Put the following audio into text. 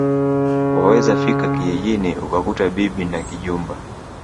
Waweza fika kijijini ukakuta bibi na kijumba